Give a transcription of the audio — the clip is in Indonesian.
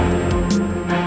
gue mau pergi ke rumah